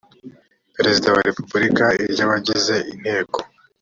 perezida wa repubulika iry abagize inteko